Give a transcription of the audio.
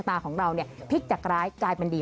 ไม่ต้องเก็บไว้เยอะ